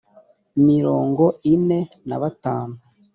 mirongo ine na batanu